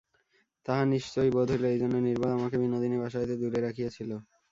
তাহার নিশ্চয় বোধ হইল, এইজন্যই নির্বোধ আমাকে বিনোদিনী বাসা হইতে দূরে রাখিয়াছিল।